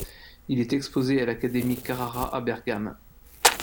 Il est exposé à l’Académie Carrara, à Bergame.